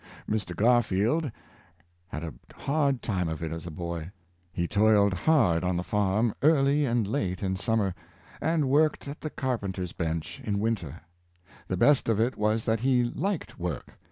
Mr. Garfield had a hard time of it as a boy. He toiled hard on the farm early and late in summer, and worked at the carpen ter's bench in winter. The best of it was that he liked work.